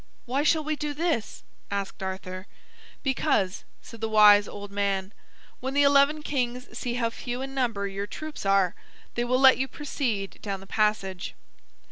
"Why shall we do this?" asked Arthur. "Because," said the wise old man, "when the eleven kings see how few in number your troops are, they will let you proceed down the passage.